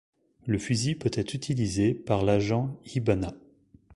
Le fusil peut être utilisé par l'agent Hibana.